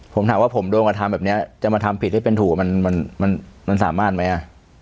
ผมถามว่าผมโดนมาทำแบบนี้จะมาทำผิดให้เป็นถูกมันสามารถไหม